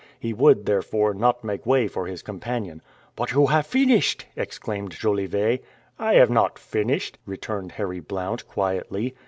He would therefore not make way for his companion. "But you have finished!" exclaimed Jolivet. "I have not finished," returned Harry Blount quietly.